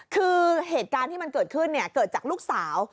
คือเหตุการณ์ที่มันเกิดขึ้นเนี่ยเกิดจากลูกสาว